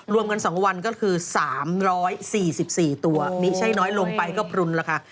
รวมกัน๒วันก็คือ๓๔๔ตัวไม่ใช่น้อยลงไปก็พรุนราคา